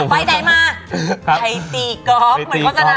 ไปใดมาใครตีก๊อบเหมือนเขาแสดงตอนเด็กครับ